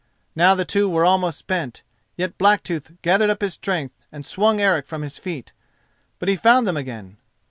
Now the two were almost spent; yet Blacktooth gathered up his strength and swung Eric from his feet, but he found them again.